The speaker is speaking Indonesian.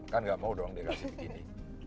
kan gak mau dong dikasih begini